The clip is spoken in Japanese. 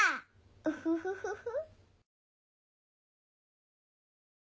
ウフフフフ！